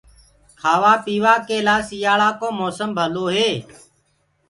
کآوآ پيوآ ڪي لآ سيٚآݪڪو موسم ڀلو هي۔